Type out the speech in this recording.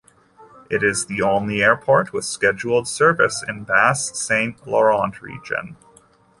It is the only airport with scheduled service in Bas-Saint-Laurent region.